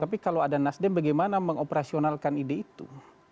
tapi kalau ada nasdem bagaimana mengoperasionalkan ide itu